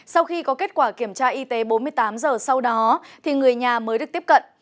sau khi có kết quả kiểm tra y tế bốn mươi tám giờ sau đó thì người nhà mới được tiếp cận